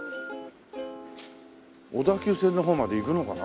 小田急線の方まで行くのかな？